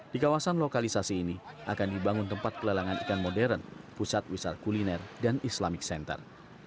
di kawasan lokalisasi ini akan dibangun tempat pelelangan ikan modern pusat wisata kuliner dan islamic center